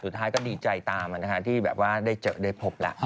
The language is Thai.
สุดท้ายก็ดีใจตามนะคะที่ได้พบแล้ว